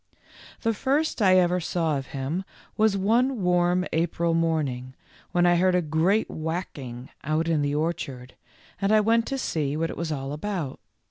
The first I ever saw of him was one warm April morning when I heard a great whacking out in the orchard, and I went to see w T hat it was all about.